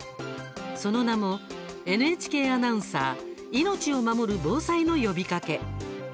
その名も「ＮＨＫアナウンサー命を守る“防災の呼びかけ”」。